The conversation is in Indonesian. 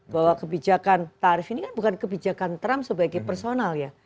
bahwa kebijakan tarif ini kan bukan kebijakan trump sebagai personal ya